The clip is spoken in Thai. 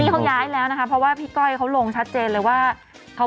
นี่เขาย้ายแล้วนะคะแทนนี้เขาย้ายแล้วนะคะ